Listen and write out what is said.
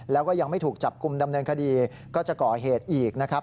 แล้วก็ยังไม่ถูกจับกลุ่มดำเนินคดีก็จะก่อเหตุอีกนะครับ